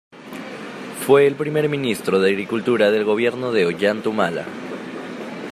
Fue el primer ministro de Agricultura del gobierno de Ollanta Humala.